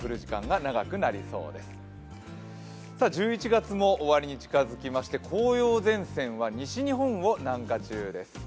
１１月も終わりに近づきまして、紅葉前線は西日本を南下中です。